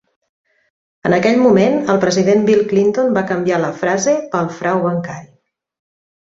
En aquell moment, el president Bill Clinton va canviar la frase pel frau bancari.